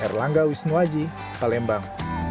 erlangga wisnuaji palembang